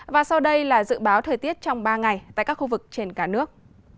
và sau đây là dự báo thời tiết trong ba ngày tại các khu vực trên cả nước